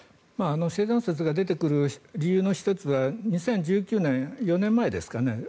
生存説が出てくる理由の１つが２０１９年、４年前ですかね